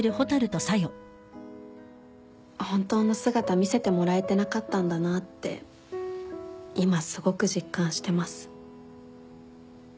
本当の姿見せてもらえてなかったんだなって今すごく実感してます。